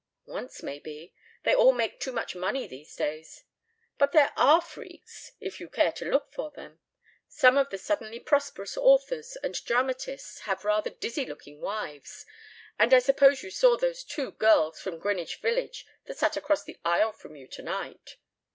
"Once, maybe. They all make too much money these days. But there are freaks, if you care to look for them. Some of the suddenly prosperous authors and dramatists have rather dizzy looking wives; and I suppose you saw those two girls from Greenwich Village that sat across the aisle from you tonight?"